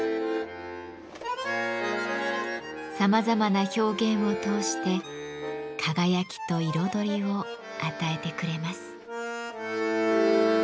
さまざまな表現を通して輝きと彩りを与えてくれます。